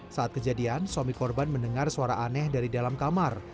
saat kejadian suami korban mendengar suara aneh dari dalam kamar